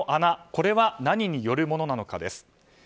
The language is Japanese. これは何によるものなのかです。